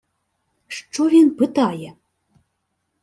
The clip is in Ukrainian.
«Що він питає?»